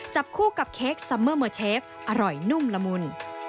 จับคู่กับเค้กซัมเมอร์เมอร์เชฟอร่อยนุ่มละมุน